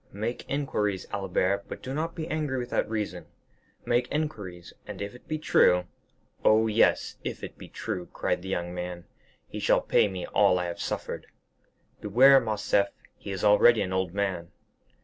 "Make inquiries, Albert, but do not be angry without reason; make inquiries, and if it be true——" "Oh, yes, if it be true," cried the young man, "he shall pay me all I have suffered." "Beware, Morcerf, he is already an old man."